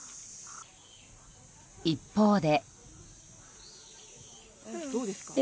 一方で。